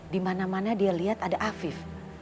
dimana mana dia liat ada afif